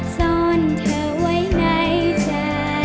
ซ่อนเธอไว้ในใจ